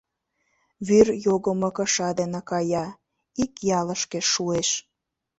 Вӱр йогымо кыша дене кая, ик ялышке шуэш.